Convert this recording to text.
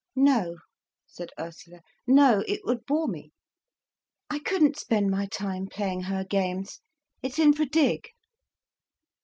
"No," said Ursula. "No. It would bore me. I couldn't spend my time playing her games. It's infra dig."